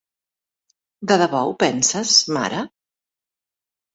De debò ho penses, mare?